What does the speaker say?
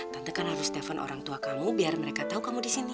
tante kan harus telpon orang tua kamu biar mereka tahu kamu di sini